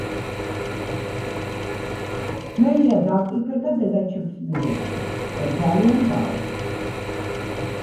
მე ია დავკრიფე და დედა ჩემს მივეცი და ძალიან გავახარე